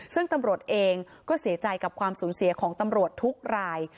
ซึ่งตำรวจเองก็เสียใจกับความสูญเสียของตำรวจทุกราย